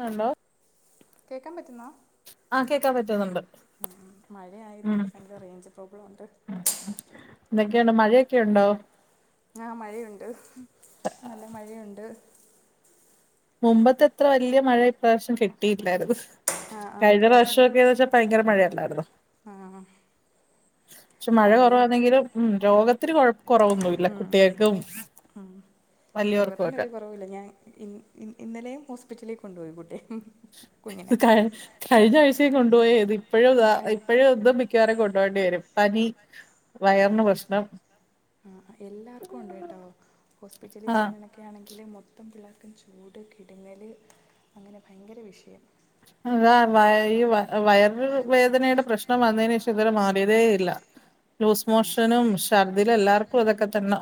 Hello കേക്കാം പറ്റുന്നോ? ആഹ് കേക്കാപറ്റുന്നുണ്ട്. ഉം മഴയായതോണ്ട് ഭയങ്കര റേയ്ഞ്ച് പ്രോബ്ലം ഉണ്ട് എന്തൊക്കെയാണ് മഴയൊക്കെയുണ്ടോ? ആഹ് മഴയുണ്ട് നല്ല മഴയുണ്ട്. മുമ്പത്തത്ര വല്ല്യ മഴ ഇപ്രാവിശ്യം കിട്ടിയില്ലായിരുന്നു. കഴിഞ്ഞ പ്രാശൊക്കെ ന്ന്ച്ചാ ഭയങ്കര മഴയല്ലായിരുന്നോ പക്ഷെ മഴ കൊറവാന്നെങ്കിലും ഉം രോഗത്തിന് കൊഴപ്പ കൊറവൊന്നുല്ല കുട്ടികക്കും രോഗത്തിനൊരു കൊറവൂല്ല ഞാൻ ഇ ഇന്ന ഇന്നലെം ഹോസ്പിറ്റലി കൊണ്ടുപോയി കൂട്ടിയെ കഴ്‌ കഴിഞാഴ്ചയും കൊണ്ടുപോയേ ഇത് ഇപ്പഴ ഇപ്പോഴൊന്നും മി മിക്കവാറും കൊണ്ടോണ്ടി വെരും പനി ആഹ് ആഹ് എല്ലാർക്കൊണ്ട് കേട്ടോ ഹോസ്പിറ്റലിൽ ചെന്ന് ക്യാണെങ്കില് മൊത്തം പിള്ളാർക്കും ചൂട് കിട്ങ്ങല് അങ്ങനെ ഭയങ്കര വിഷ്യം. അതാ വ ഈ വയറ് വേദനയുടെ പ്രശ്നം വന്നേനേഷം ഇതുവരെ മാറിയതേയില്ല ലൂസ് മോഷനും ഷർദിലും എല്ലാർക്കും അതൊക്കെ തന്നെ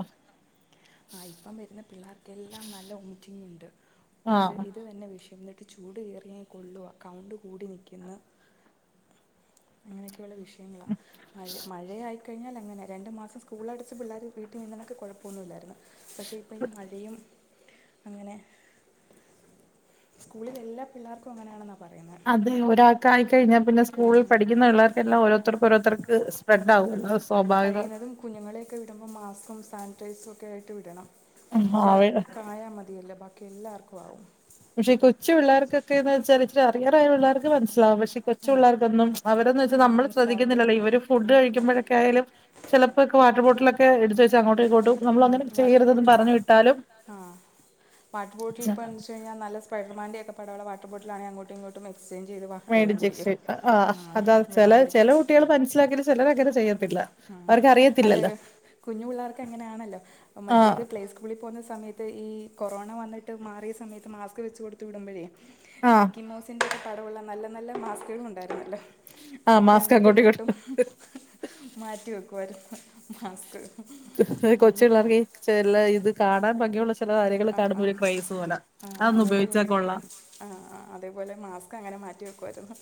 ആ ഇപ്പം വരുന്ന പിള്ളേർക്കെല്ലാം നല്ല വോമിറ്റിംങ്ണ്ട് ഇത് ഇത് തന്നെ വിഷയം ഇന്ന് ത് ചൂട് കേറിയാ കൊള്ളോ കൗണ്ട് കൂടി നിക്ക്ന്ന അങ്ങനെയൊക്കെയുള്ള വിഷയങ്ങളാ മഴ മഴയായി കഴിഞ്ഞാലങ്ങനെ രണ്ട് മാസം സ്കൂളടച് പിള്ളാര് വീട്ടി നിന്നണക്ക് കൊഴപ്പന്നുല്ലായിരുന്നു. പക്ഷെ ഇപ്പൊ ഈ മഴയും അങ്ങനെ സ്കൂളില് എല്ലാ പിള്ളേർക്കും അങ്ങനെയാണെന്നാ പറ അതെ ഒരാക് ആയിക്കഴിഞ്ഞാ പിന്നെ സ്കൂൾ പഠിക്കുന്ന പിള്ളാർക്കെല്ലാം ഓരോത്തർക്ക് ഓരോത്തർക്ക്. സ്പ്രെഡ് ആവോലോ അഹ് സ്വാഭാവികം. കുഞ്ഞുങ്ങളെയൊക്കെ വിടുമ്പോ മാസ്‌ക്കും സാനിറ്ററൈസ്ക്കെയായിട്ട് വിടണം ഒരാക്ക് ആയാ മതിയല്ലൊ ബാക്കി എല്ലാവർക്കാവും പക്ഷെ ഈ കൊച്ചു പിള്ളേർക്കൊക്കെന്ന് വെച്ചാല് ഇത്തിരി അറിയാറായ പിള്ളർക്ക് മനസ്സി പ്ല പക്ഷെ കൊച്ച് പിള്ളാർക്കൊന്നും അവരന്ന് വെച്ചാൽ നമ്മൾ ശ്രദ്ധിക്കുന്നില്ലല്ലേ ഇവര് ഫുഡ് കഴിക്കുമ്പഴൊക്കായാലും ചെലപ്പോക്കെ വാട്ടർബോട്ടിലൊക്കെ എടുത്തുവെച്ച് അങ്ങോട്ടുഇങ്ങോട്ടും ഉം വാട്ടർബോട്ടില ആഹ് വാട്ടർബോട്ടിൽ പഞ്ച് പിന്നെ ഞാ നല്ല സ്പൈഡർമാന്റെക്കെ പടൊള്ള വാട്ടർ ബോട്ടില് ഞാ അങ്ങോട്ടും ഇങ്ങോട്ടും [unintelligible] മേടിച്ചു [unintelligible] ആ ചെലേ ചെലേ കുട്ട്യാള് മനസ്സിലാക്കിട്ട് ചെലരങ്ങനെ ചെയ്യത്തില്ല അഹ് അല്ല കുഞ്ഞു പിള്ളേർക്ക് അങ്ങനാണല്ലോ മറ്റേത് പ്ലേ സ്കൂൾ കൂളി പോകുന്ന സമയത്ത് ഈ കൊറോണ വന്ന്ട്ട് മാറിയ സമയത്ത് മാസ്ക് വെച്ച് കൊടുത്ത് വിടുമ്പഴേ മിക്കി മൗസിന്റെയൊക്കെ പടൊവൊള്ള നല്ല നല്ല മാസ്കുകള് ഒണ്ടായിരുന്നല്ലോ അവരങ്ങോട്ടും ഇങ്ങോട്ടും മാറ്റി വെക്കുവായിരുന്നു മാസ്ക് കൊച്ച് പിള്ളേർക്കീ ചെലെ ഇത് കാണാൻ ഭംഗിയൊള്ള ചെല കാര്യങ്ങള് കാണുമ്പോ ഒരു ക്രൈസ് പോലെ അതൊന്ന് ഉപയോഗിച്ചാ കൊള്ളാം ആഹ്‌ ആഹ് അതെപോലെ മാസ്ക് അങ്ങനെ മാറ്റി വെക്കായിരുന്നു.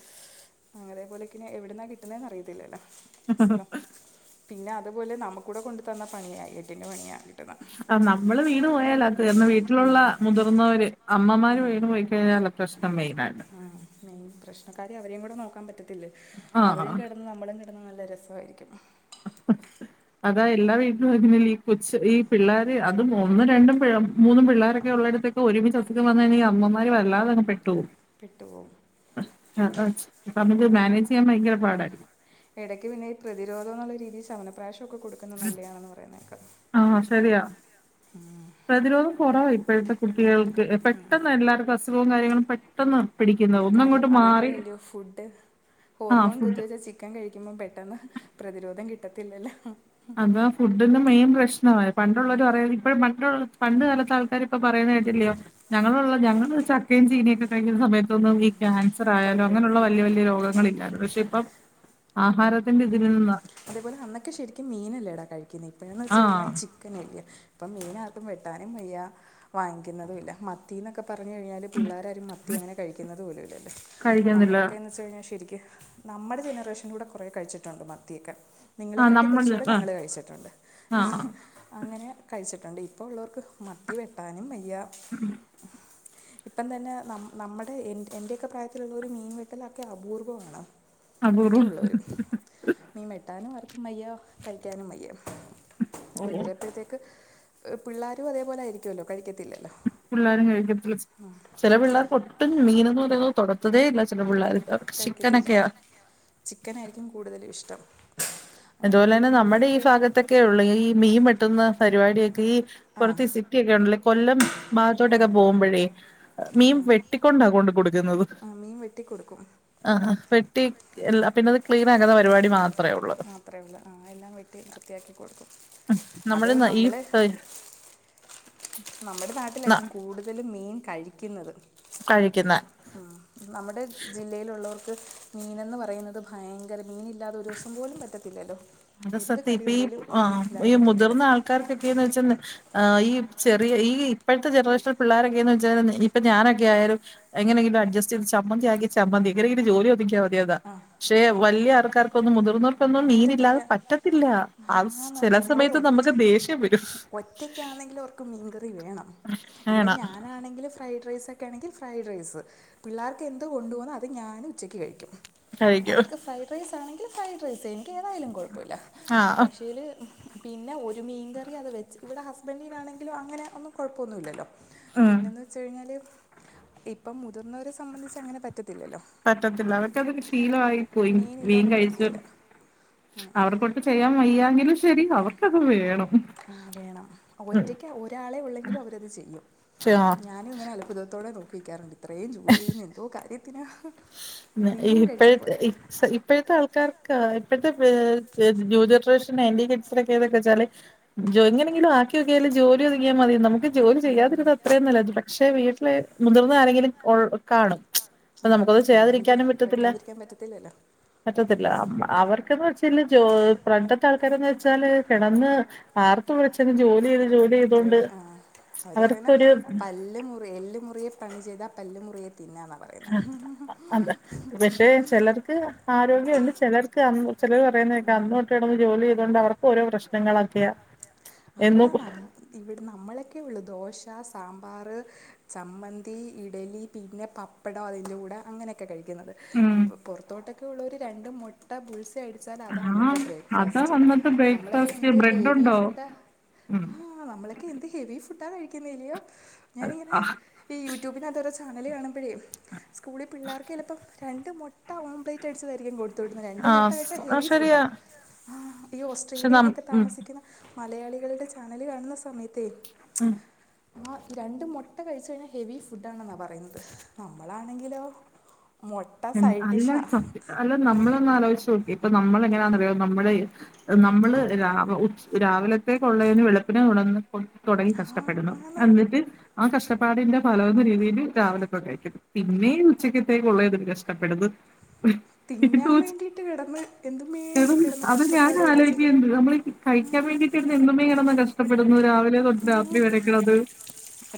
അങ്ങരെ പോലെക്ക്ന് എവിടുന്നാ കിട്ടുന്നെന്ന് അറിയത്തില്ലല്ലോ സുഖം പിന്നെ അതുപോലെ നമുക്ക്വടെ കൊണ്ടു തന്ന പണിയ എട്ടിന്റെ പണിയാ കിട്ട്ന്നേ ആഹ്‌ നമ്മള് വീണ് പോയാലത് തീർന്ന് വീട്ടിലുള്ള മുതിർന്നവര് അമ്മമാര് വീണു പോയിക്ക [unintelligible] പ്രശ്നം മെയിനായ്ട്ട് ആഹ് മെയിൻ പ്രശ്നക്കാരി അവരെങ്കുടെ നോക്കാം പറ്റത്തില്ലേ അവരെം കേ ഉം നമ്മളുംകിടന്ന നല്ല രെസവായിരിക്കും ആ. അതാഎല്ലാവീട്ട്ലും അങ്ങ്നെല്ലേ ഈ കൊച്ച് ഈ പിള്ളേര് അതും ഒന്നും രണ്ടും പിഴ മൂന്നും പിള്ളോരക്കെ ഉള്ളിടത്ത് ഒരുമിച്ച് അസുഖം വന്ന്ണ്ടെങ്കി അമ്മമാര് വല്ലാതങ് പെട്ട്പോം അ അ നമ്മക്ക് മാനേജ് ചെയ്യാൻ ഭയങ്കര പാടാ എടയ്ക്ക് പിന്നെ ഈ പ്രതിരോധോന്നുള്ള രീതില് ശവനപ്രാശൊക്കെ കൊടുക്കുന്നത് നല്ലയാണെന്ന് പറയുന്നേക്കാം ആഹ്‌ സെരിയാ മ് പ്രതിരോധം കൊറവാ ഇപ്പഴത്തെ കുട്ടികൾക്ക് പെട്ടെന്നെല്ലാർക്കും അസുഖവും കാര്യങ്ങളും പെട്ടെന്ന് പിടിക്ക്യുന്നു. കാര്യം അതേപോലല്ലയോ ഫുഡ് ഹോർമോൺ കുത്തിവെച്ചാ ചിക്ക ചിക്കൻ കഴിക്കുമ്പോ പെട്ടെന്ന് പ്രതിരോധം കിട്ടത്തില്ലല്ലോ അതാ ഫുഡിന്റെ മെയിൻ പ്രശ്നവായി പണ്ടുള്ളോര് പറയല് ഇപ്പഴും പണ്ടുള്ള പണ്ട് കാലത്തെ ആൾക്കാ പിള്ളേരുപ്പം പറയുന്നെ കേട്ടില്ലിയോ ഞങ്ങള ഞങ്ങള് ചക്കയും ചീനിയൊക്കെ കഴിക്കുന്ന സമയ ഒന്നും ഈക്യാൻസർആയാലോ അങ്ങനെയുള്ള വല്യ വല്യ രോഗങ്ങളില്ലായിരുന്നു പക്ഷെ ഇപ്പം ആഹാരത്തിന്റെ ഇതിനിന്ന് അതേപോലെ അന്നൊക്കെ ശെരിക്കും മീനല്ലേടാ കഴിക്കുന്നേ, ഇപ്പോഴന്ന് വെച്ച് കഴിഞ്ഞാൽ ചിക്കനല്ലേ. ഇപ്പം മീനാർക്കും വെട്ടാനും വയ്യാ വാങ്ങിക്കുന്നതുംല്ല മത്തിന്നൊക്കെ പറഞ്ഞ് കഴിഞ്ഞാല് പിള്ളാരാരും മത്തി അങ്ങനെ കഴിക്കുന്നത് പോലൂല്ലല്ലേ നമ്മളൊക്കെയന്ന് വെച്ചഴിഞ്ഞാൽ ശെരിക്കും നമ്മുടെ ജനറേഷൻലൂടെ കൊറേ കഴിച്ചിട്ടുണ്ട് മത്തിയൊക്കെ നിങ്ങളെക്കാട്ടി കൊർച്ചൂടെ ഞങ്ങള് കഴിച്ചിട്ടുണ്ട് അങ്ങനെ കഴിച്ചിട്ടുണ്ട് ഇപ്പോ ഉള്ളർക്ക് മത്തി വെട്ടാനും വയ്യ [inaudible] ഇപ്പം തന്നെ നം നമ്മടെ എന്റെ എന്റെയൊക്കെ പ്രായത്തിലുള്ളോര് മീൻ വെട്ടലൊക്കെ അപൂർവമാണ്. മിക്കവുള്ളവരും മീ മെട്ടാനും ആര്ക്കും വയ്യ കഴിക്കാനും വയ്യ അന്നരപ്പഴത്തേക്ക് പിള്ളാരും അതേപോലായിരി റ്റ്യൂല്ലോ കഴിക്കത്തില്ലല്ലോ ആഹ് ചെല പിള്ളേർക്ക് ഒട്ടും മീനൊന്നും പറന്ഞ്ഞത് തൊടത്തെതേയില്ല ചെല പിള്ളേര് അവർക്ക് ചിക്കനൊക്കെയാ ചിക്കനായിരിക്കും കൂടുതല് ഇഷ്ടം. അതുപോലെ തന്നെ നമ്മുടെ ഈ ഫാഗത്തൊക്കെയൊള്ളൂ ഈ മീ വെട്ടുന്ന പരിപാടിയൊക്കെ ഈ പൊറത്ത് സിറ്റിയെക്കെണ്ടലോ കൊല്ലം ഭഗത്തോട്ടൊക്കെ പോംമ്പഴേ മീൻ വെട്ടിക്കൊണ്ടാ കൊണ്ട് കൊടുക്കുന്നത് വെട്ടിക്കൊടുക്കും ആ അ വെട്ടി എല്ലാ പിന്നെത് ക്ലീനാക്കുന്ന പരിപാടി മാത്രേ ഉള്ളൂ അത്രേയൊള്ളൂ ആഹ്‌ എല്ലാം വെട്ടി വൃത്തിയാക്കി കൊടുക്കും നമ്മള് ഈ [unintelligible] നമ്മുടെ നാട്ടിലായിരിക്കും കൂടുതലും മീൻ കഴിക്കുന്നത്. കഴിക്ക്ന്ന ആ നമ്മുടെ ജില്ലയിലുള്ളവർക്ക് മീനെന്ന് പറയുന്നത് ഭയ മീനില്ലാതെ ഒരൂസം പോലും പറ്റത്തില്ലല്ലോ? അത് സത്യം ഇപ്പൊ ഈ ആഹ് ഈ മുതിർന്നാൾക്കാർക്കൊക്കെന്ന് വെച്ചാ ആഹ് ഈ ചെറിയ ഈ ഇപ്പഴത്തെ ജനറേഷന് പിള്ളോരൊക്കെയന്നച്ചാല് ഇപ്പൊ ഞാനൊക്കെ ആയാലും. എങ്ങനെങ്കിലും അഡ്ജസ്റ്റെയ്ത് ചമ്മന്തിയാക്കി ചമ്മന്തി എങ്ങനെങ്കിലും ജോലി ഒതുക്ക്യാ മതി ക്കിയെതാ ക്ഷെ വല്ല്യ ആർക്കാർക്കൊന്നും മുതിർന്നോർക്കൊന്നും മീനില്ലാ പറ്റത്തില്ല ആ ചെല സമയത്ത് നമുക്ക് ദേഷ്യം വരും ഒറ്റക്കാണെങ്കിലും ഓർക്ക് മീൻകറി വേണം ഇവിടെ ഞാനാണെങ്കിലൊ ഫ്രൈഡ് റൈസൊക്കെ ആണെങ്കി ഫ്രൈഡ് റൈസ്. പിള്ളർക്ക് എന്തോ കൊണ്ടു പോകുന്നോ അത് ഞാനും ഉച്ചയ്ക്ക് കഴിക്കും. അവർക്ക് ഫ്രൈഡ് റൈസ് ആണെങ്കിൽ ഫ്രൈഡ് റൈസ് എനിക്ക് ഏതായാലും കുഴപ്പമില്ല പക്ഷേൽ പിന്നെ ഒരു മീൻകറി അത് വെച്ച് ഇവിടെ ഹസ്ബൻഡിനാണെങ്കിലും അങ്ങനെ ഒന്നും കുഴപ്പമൊന്നുല്ലല്ലോ. പിന്നെന്ന് വെച്ച കഴിഞ്ഞാല് ഇപ്പം മുതിർന്നവരെ സംബന്ധിച്ച് അങ്ങനെ പറ്റത്തില്ലല്ലോ. പറ്റത്തില്ല അവർക്കതൊരു ശീലായി പോയി മീൻ കഴിച്ച് അവർക്കൊട്ട് ചെയ്യാൻ വയ്യാങ്കിലും ശ് ആഹ് ആഹ് വേണം ഒറ്റയ്ക്കാ ഒരാളെ ഒള്ളെങ്കിലും അവരത് ചെയ്യും [inaudible] ഞാൻ അത്ഭുതത്തോടെ നോക്കി നിക്കാറ്ണ്ട് ഇത്രയും ജോലി ചെയ്യ്ന്നത് എന്തോ കാര്യത്തിനാ പിന്നെ ഇപ്പഴ് ഇപ് ഇ ഇപ്പഴത്തെ ആൾക്കാർക്ക് ഇപ്പഴത്തെ ന്യൂ ജനറേഷൻ നയന്റി കിഡ്സ്സില് ക്കെ വെച്ചാല് എങ്ങനെങ്കിലും ആക്കിയൊക്കിയാല് ജോലി ഒതുങ്ങിയാ മതി നമുക്ക് ജോലി ചെയ്യാതിരുന്ന അത്രയും നല്ലത് പക്ഷെ വീട്ടില് മുതിർന്ന ആരെങ്കിലും ഒള് കാണും അപ്പ നമുക്കത് ചെയ്യാതിരിക്കാനും പറ്റത്തില്ല പറ്റത്തില്ല അവർക്ക് ന്ന് വെച്ച ഇല് ജോ പ്രണ്ടത്തെ ആൾക്കാരന്ന് വെച്ചാല് കിണന്ന് ആർ ത്തം വെച്ച് അങ്ങ് ജോലി ചെയ്ത് ജോലി ചെയ്തോണ്ട് അവർക്കൊരു ല്ല് മുറിയെ എല്ലുമുറിയെ പണി ചെയ്താ പല്ല്മുറിയെ തിന്നാ ന്നാ പറയാ ആഹ് അതാ പക്ഷേ ചെലെർക്ക് ആരോഗ്യമുണ്ട് ചിലർക്ക് അ ചിലർ പറയുന്നേക്ക അന്നോട്ട് ഇട ജോലി ചെയതോണ്ട് അവർക്ക് ഓരോ പ്രശ്നങ്ങളക്കയാ. അല്ലടാ മ [unintelligible] ഇവ്ടെ നമ്മളൊക്കെ ഒള്ളു ദോശ, സാമ്പാർ, ചമ്മന്തി, ഇഡലി പിന്നെ പപ്പ പ്പടോ അതിൻ്റെ കൂടെ അങ്ങനെക്കെ കഴിക്കിന്നത് വ് പൊർത്തോട്ടൊക്കെ ഉള്ളോര് രണ്ട് മുട്ട ബുൾസ് ടിച്ചാൽ അതാ അന്നത്തെ ബ്രേക്ക്ഫാസ്റ്റ് നമ്മളൊക്കെ എന്ത് ഹെവി ഫുഡ മം ആ നമ്മളൊക്കെ എന്ത് ഹെവി ഫുഡാ കഴിക്ക്ന്ന ഇല്ല്യോ ഞാനിങ്ങനെ ഈ യൂട്യൂബിനത്തൊരൊ ചാനല് കാണ്മ്മ്പഴേ സ്കൂളിൽ പിള്ളേർക്ക് ചിലപ്പം രണ്ട് മൊട്ട മുട്ട ഓംബ്‌ലറ്റ് അടിച്ചതായിരിക്കും കൂടു ഇവിടുന്ന്‌ രണ്ട് മുട്ട കഴിച്ചാൽ ഹെവി ഫുഡാണ് ഈ ഓസ്ട്രേലിയയിലൊക്കെ താമസിക്കുന്ന മലയാളികളുടെ ചാനല് കാണുന്ന സമയത്തെ അഹ് ആ രണ്ട് മൊട്ട കഴിച്ച കഴിഞ്ഞാ ഹെവി ഫുഡ് ആണെന്നാ പറയുന്നത് നമ്മളാണെങ്കിലോ. മൊട്ട സൈഡ് ഡിഷാ നമ്മളൊന്ന് ആലോചിച്ച് നോക്കി ഇപ്പ നമ്മള എങ്ങനാന്ന്റിയോ നമ്മള് നമ്മള് രാ ഉച്ച് രാവിലത്തെ കൊള്ളേന് വെളുപ്പിന് ഉണർന്ന് തുടങ്ങി കഷ്ടപ്പെടുന്നു എന്നിട്ട് ആ കഷ്ടപ്പാടിന്റെ ഫല എന്ന രീതിയിൽ രാവിലെ കഴിക്കും പിന്നെ ഉച്ചയ്ക്കത്തേക്ക് ഉള്ളരും രഷ് കഷ്ടപ്പെടത് ഉം [unintelligible] എടോ അത് ഞാൻ ആലോയിക്കേര്ന്നു നമ്മൾ കഴിക്കാൻ വേണ്ടി നി എന്ത്‍ന്നര്ങ്ങനെ കഷ്ടപ്പെട്ന്നത് രാവിലെ തൊട്ട് രാത്രി വരെക്ക്ള്ളത്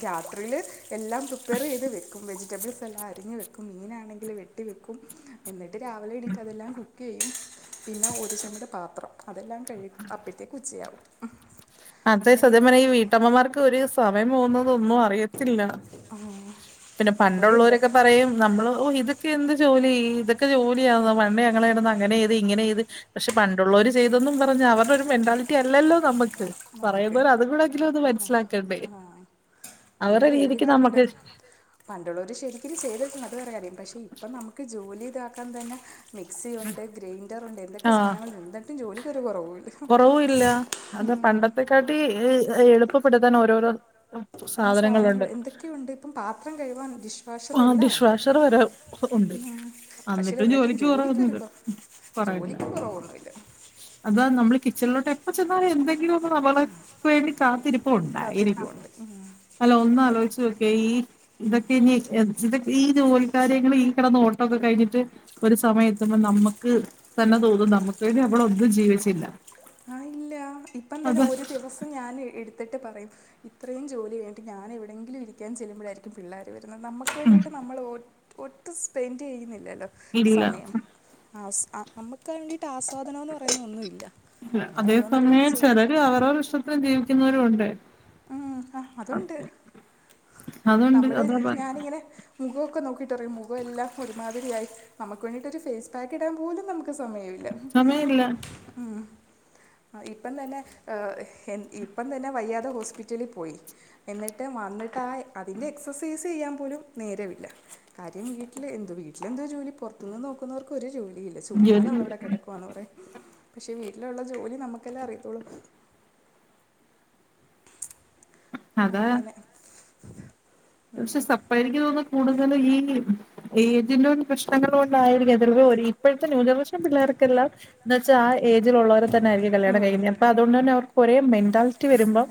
രാത്രിയില് എല്ലാം പ്രിപ്പയെർ ചെയ്ത് വെക്കും വെജ് വജിറ്റബിൾസ് എല്ലാം അരിഞ് വെക്കും മീനാണെങ്കിൽ വെട്ടി വക്കും എന്നിട്ട് രവിലെ എണീറ്റ് അതെല്ലാം കു ക്കെയ് പിന്നെ ഒര് ചെമ്പ് പാത്രം അതെല്ലാം കഴ്കി അപ്പഴ്ത്തെക്ക് ഉച്ചയാകും അതെ സത്യം പറഞ്ഞ ഈ വീട്ടമ്മമാർക്ക് ഒരു സമയം പോകുന്നത് ഒന്നും അറിയ ത്തില്ല പിന്നെ പണ്ടുള്ളോരൊക്കെ പറയും നമ്മള് ഓഹ് ഇതൊക്കെ എന്ത് ജോലി ഇതൊക്കെ ജോലിയാ പണ്ട് ഞങ്ങള് ഇടന്ന് അങ്ങനെ ഇത് ഇങ്ങനെ ഇത് പക്ഷെ പണ്ടുള്ളോര് ചെയ്തെന്നും പറഞ്ഞ് അവർടെ ഒരു മെന്റാലിറ്റി അല്ലല്ലോ നമ്മക്ക് പറയുമ്പോലെ അതുംകൂടെ എങ്കിലും ഒന്ന് മനസ്സിലാക്കണ്ടേ അവരെ രീതിക്ക് നമുക്ക് പണ്ട്ള്ളോര് ശരിക്കും ചെയ്തിട്ടണ്ട് അത് വേറെ കാര്യം. പക്ഷെ, ഇപ്പം നമക്ക് ജോലി താക്കാൻ തന്നെ മിക്സിയൊണ്ട് ഗ്രൈൻഡറുണ്ട് എന്തൊക്കെ സാനങ്ങള എന്നിട്ടും ജോലിക്കൊരു കൊറവൂല്ല. കൊർവു ഇല്ല അത പ പണ്ടത്തെക്കാട്ടി എളുപ്പപ്പെടുക്കാൻ ഓരോരോ സാധനങ്ങളുണ്ട് അപ്പം പാത്രം കഴ്കാൻ ഡിഷ് വാഷർ എല്ലാം ഉണ്ട് ഉം പക്ഷേൽ എന്നിട്ടും ജോലിക്കരുകോ ജോലിക്ക് കൊറവൊന്നുല്ല. അതാ നമ്മള് കിച്ചണിലോട്ട് എപ്പ ചെന്നാലും എന്തെങ്കിലൊ ഇപ്പം നമ്മൾ ക്ക് വേണ്ടി കാത്തിരിപ്പും ഉണ്ടായിരിക്കും അല്ല ഒന്ന് ആലോയിച്ച് നോ ഈ ഇതൊക്കെഞ്ഞി ഈ ജോലിക്കാര്യങ്ങള് ഈ കെടന്നോട്ടൊക്കെ കഴിഞ്ഞിട്ട് ഒരു സമയം എത്തുമ്പോ നമ്മക്ക് തന്നെ തോന്നും നമ്മക്ക് വേണ്ടി നമ്മളൊന്നും ജീവിച്ചില്ല ആഹ് ഇല്ല ഇപ്പ എന്തല്ലോ ഒരു ദിവസം ഇപ്പം ഞാൻ ഇട്ത്ത്ട്ട് പറയും ഇത്രയും ജോലി കഴിഞ്ഞ്ട്ട് ഞാൻ എവ്ടെങ്കിലും ഇരിക്കാൻ ചെല്ലുമ്പഴായിരി പിള്ളേർ വരുന്നത് നമ്മുക്ക് വേണ്ടിയിട്ട് നമ്മൾ ഒ ഒട്ടും സ്പെൻഡ് ചെയ്യുന്നില്ലല്ലോ സമയം ആ സ് ആ നമ്മക്ക് വേണ്ടീട്ട് ആസ്വാദനംന്ന്പറയ്ന്ന ഒന്നുല്ല അതേ സമയം ചെലര് അവരവരെ ഇഷ്ടത്തിന് ജീവിക്കുന്നവരും ഉണ്ട്. മ് അ അതുണ്ട് നമ്മള് ഞാനിങ്ങനെ മുഖവോക്കെ നോക്കിയിട്ട് പറയും മുഖവെല്ലാം ഒരുമാതിരിയായി. നമക്ക് വേണ്ടിട്ടൊരു സ്ഫേസ് പാക്കി ടാൻ പോലും നമ്ക്ക് സമയവില്ലാ സമയല്ല ഉം അഹ് ആഹ് ഇപ്പം തന്നെ ഏഹ് ഇപ്പം തന്നെ വയ്യാതെ ഹോസ് പിറ്റലി പോയി. എന്നിട്ട് വന്നിട്ട് ആ അതിന്റെ എക്സസൈസ് ചെയ്യാൻ പോലും നേരവില്ലാ. കാര്യം വീട്ടില് എന്ത്‌ വീട്ടിലെന്തോ ജോലി പൊറത്ത്ന്ന് നോക്കും ക്കുന്നവർക്കൊരു ജോലിയില്ല ചുമ്മാതെ അവളവിടെ കെടക്കുവാന്ന് പറയും. പക്ഷെ വീട്ടിലൊള്ള ജോലി നമ്മക്കല്ലെ അറിയത്തോള്ളു അങ്ങനെ. പക്ഷെ സപ്പ എനിക്ക് തോന്ന്ന്നത് കൂടുതല് ഈ ഏജിന്റോട് പ്രശ്നങ്ങളോണ്ടായിരിക്കാം [unintelligible] ഇപ്പഴത്തെ ന്യൂ ജനറേഷൻ പിള്ളേർക്കെല്ലാം എന്ന് വച്ചാ ആ ഏജിലുള്ളോരെ തന്നൊയിരിക്കും കല്യാണം കഴിക്കുന്നെ അപ്പ അതൊണ്ട് ന്നെ അവർക്ക് ഒരേ മെന്റാൽ റ്റ്‌ വെര്മ്പം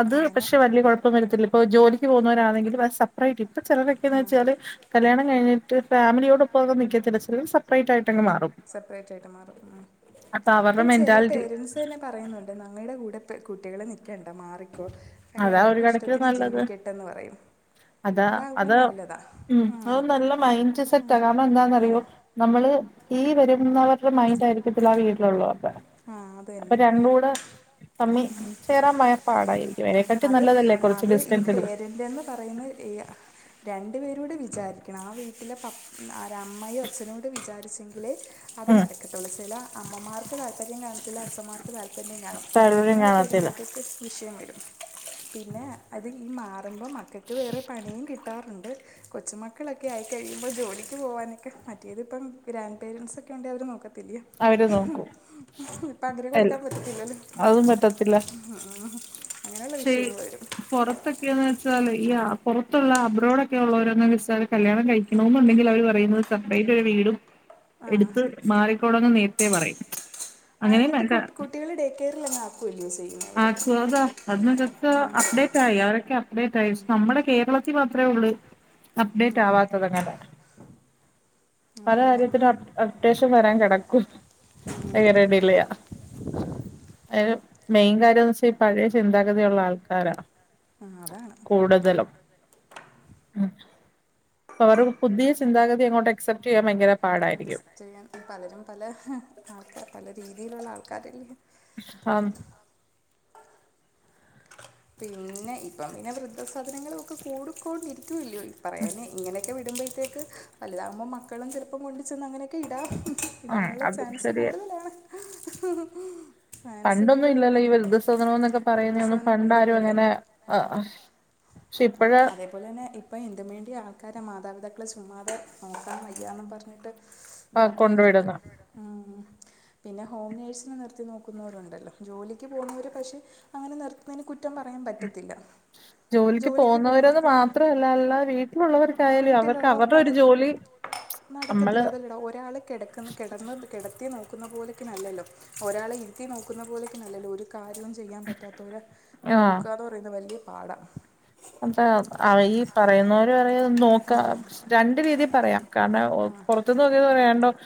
അത് പക്ഷെ വല്ലിയ കൊഴപ്പം അതിനാത്തില്ല ഇപ്പം ജോലി പോകുന്നവരാണെങ്കിലും സെപ്പറേറ്റ് ഇപ്പൊ ചെലരൊക്കന്ന്ച്ചാല് കല്യാണം കഴിഞ്ഞിട്ട് ഫാമിലിയോടോത്ത് അവിടെ നിക്കത്തില്ല ചിലര് സപ്പറേറ്റായിട്ടങ്ങ് മാറും സെപ്പറേറ്റ് ആയിട്ട് മാറും ഉം ഇപ്പം ചെല പേരന്റ്സ് അതന്നെ പറയുന്നുണ്ട് മമ്മീടെ കൂടെ പെ കുട്ടികള് നിക്കണ്ട മാറിക്കോ എടി അവരുടെ ഇഷ്ട്ടത്തിന് ജീവിക്കട്ടെന്ന് പറയും അതാ അത് ഉം അത് നല്ല മൈൻഡ് സെറ്റ് ആക്കാം കാരണം എന്താന്നറിയോ. നമ്മള് ഈ വരുന്നവരുടെ മൈൻഡ് ആയിരിക്കത്തില്ല ആ വീട്ടിലുള്ളവർ അപ്പൊ രണ്ടും കൂടെ തമ്മി ചേരാൻ മയ പാടായിരിക്കും ആഹ് അത് അത് ഈ പേരെന്റ്ന്ന് പറയുന്ന ഈ രണ്ടുപേരൂടെ വിചാരിക്കണം ആ വീട്ടിലെ പപ്പ് ആരാ അമ്മയും അച്ഛനുകൂടെ വിചാരിച്ചെങ്കി ല് അത് നടക്കത്ത്ള്ളു ചെല അമ്മമാർക്ക് താല്പര്യം കാണത്തില്ല അച്ഛന്മാർക്ക് താല്പര്യം കാണും. അങ്ങനെയൊക്കെ വരുമ്പോക്ക് വിഷയം വരും പിന്നെ അത് ഈ മാർ. പറയ്മ്പൊ മക്കക്ക് വേറെ പണിയിം കിട്ടാറ്ണ്ട് കൊച്ചുമക്കളൊക്കെ ആയിക്കഴിയുമ്പോൾ ജോലിക്ക് പോകാനൊക്കെ മറ്റിയത് ഇപ്പം ഗ്രാൻഡ് പേരൻറ്സൊക്കെ ഉണ്ടെങ്കിൽ അവർ നോക്കത്തില്ല. പകരം കൊട്ക്കാൻ പറ്റത്തില്ലല്ലോ. അതും പറ്റത്തില്ല. അ ആഹ് അങ്ങനെയുള്ള വിഷയങ്ങൾ വെരും പുറത്തൊക്കെന്നച്ചാല് ഈ പുറത്തുള്ള അബ്രോഡൊക്കെ ഉള്ളോരൊന്നു വെച്ചാല് കല്യാണം കഴിക്ക റൂം ഉണ്ടെങ്കിൽ അവര് പറയുന്നത് സപ്പറേറ്റ് ഒരു വീടും എടുത്ത് മാറിക്കോണം ന്ന് നേരത്തേ പറയും ആ എന്നിട്ട് കുട്ട കുട്ടികള ഡേ കെയറിൽഅങ്ങ്ആക്കുവല്ലിയോ സേവ് ആക്കോതോ അത് നിന്ക്ക് അപ്ഡേറ്റായി അവരൊക്കെ അപ്ഡേറ്റായി സ് നമ്മടെ കേരള ക്ക് മാത്രേ ഒള്ള് അപ്ഡേറ്റ് ആവാത്തതങ്ങനെ പല കാര്യത്തിനും അപ് അപ്ഡേഷൻ വരാൻ കിടക്കുവാ വറെടില്ല്യ അയ്ന് മെയിൻ കാര്യം ഇപ്പ ഈ പഴയ ചിന്താഗതിയുള്ള ആൾക്കാരാ കൂടുതലും ഉ അപ്പൊരു പുതിയചിന്താഗതി എങ്ങോട്ട് അക്സെപ്റ്റ് ചെയ്യാൻ ഭയങ്കര മിക്സ് ചെയ്യാൻ പലരും പല ആൾക്കാർ പല രീതിയിലുള്ള ആൾക്കാരല്ലേ. അം പിന്നെ ഇപ്പം പിന്നെ വൃദ്ധസാധനങ്ങളും ഒക്കെ കൂടിക്കോണ്ടിരിക്കൂല്ലോ ഇ പറയാന് ഇങ്ങനെ. ക്കെ വിടുമ്പോഴത്തേക്ക് വലുതാകുമ്പോ മക്കളും ചിലപ്പം കൊണ്ട് ചെന്ന് അങ്ങനെയൊക്കെ ഇടാം ഇടാനുള്ള ചാൻസ് കൂടുതലാണ് പണ്ടൊന്നും ഇല്ലല്ലോ ഈ വൃദ്ധസാദനോന്നൊക്കെ പറയുന്നെ ഒന്നും പ ണ്ടാരും അങ്ങനെ ആഹ് പക്ഷെ ഇപ്പഴ് അതുപോലെ തന്നെ ഇപ്പ എന്തുവേണ്ടിആൾക്കാരാ, മാതാപിതാക്കളെ ചുമ്മാതെ നോക്കാൻ വയ്യാന്ന് പറഞ്ഞിട്ട്, ഇതാക്കുന്നവരുണ്ട് ഉം പിന്നെ ഹോം നേഴ്സിനെ നിർത്തി നോക്കുന്നവരുണ്ടല്ലോ ജോലിക്ക് പോകുന്നവര് പക്ഷെ അങ്ങനെ നിർ ത്തുന്നതിനെ കുറ്റം പറയാൻ പറ്റത്തില്ല ജോലിക്ക് പോന്നവരത് മാത്രം അല്ല അല്ലാതെ വീട്ടിലുള്ളവർക്കായാലും അവർക്ക് അവരുടെ ഒരു ജോലി നടക്കത്തില്ല അതല്ലടാ ഒരാള് കെടക്ക് കിടന്ന് കിടത്തി നോക്കുന്ന പോലെക്കിനല്ലല്ലോ ഒരാളെ ഇരുത്തി നോക്കുന്ന പോലൊക്കെനല്ലല്ലോ ഒരു കാര്യം ചെയ്യാൻ പറ്റാത്തവരെ നോക്കുകാന്ന് പറയുന്ന വലിയ പാടാ അപ്പ അവ ഈ. പറയുന്നവര്പറയും നോക്കാ രണ്ട് രീതി പറയാ കാരണം ഒ കൊർ [unintelligible]